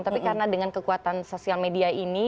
tapi karena dengan kekuatan sosial media ini